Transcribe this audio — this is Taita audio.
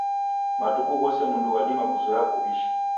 Matuku ghose mdu wadima kuzoya w'uw'ishi.